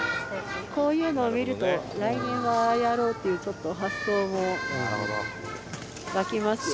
こういうのを見ると来年はああやろうという発想も湧きますわね。